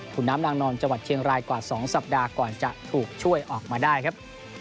คุณน้ำนางนอนจังหวัดเชียงรายกว่า๒สัปดาห์ก่อนจะถูกช่วยออกมาได้ครับ